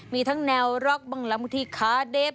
มีทั้งแนวร็อกบังลับมุทิคาเดฟ